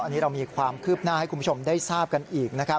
อันนี้เรามีความคืบหน้าให้คุณผู้ชมได้ทราบกันอีกนะครับ